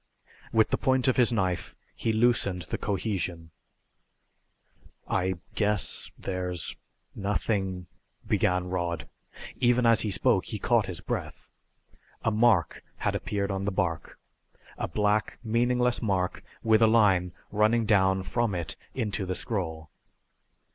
With the point of his knife he loosened the cohesion. "I guess there's nothing " began Rod. Even as he spoke he caught his breath. A mark had appeared on the bark, a black, meaningless mark with a line running down from it into the scroll.